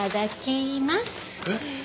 えっ？